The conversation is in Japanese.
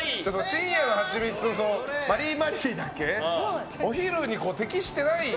「深夜のハチミツ」マリーマリーだっけお昼に適してない。